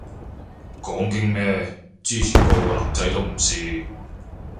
講經咩，之前個個男仔都唔試